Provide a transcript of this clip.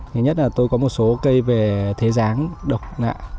thứ nhất là tôi có một số cây về thế dáng độc lạ